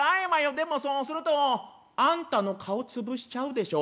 でもそうするとあんたの顔潰しちゃうでしょ？